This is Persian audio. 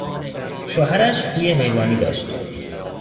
شوهرش خوی حیوانی داشت.